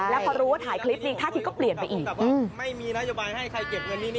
แล้วพอรู้ว่าถ่ายคลิปนี้ท่าทีก็เปลี่ยนไปอีก